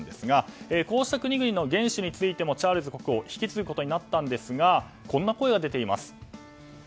こうした国々の元首についてもチャールズ国王は引き継ぐことになったんですがこんな声が出ています。